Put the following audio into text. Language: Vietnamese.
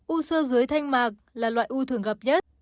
u sơ dưới thanh mạc là loại u thường gặp nhất